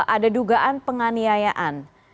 ada dugaan penganiayaan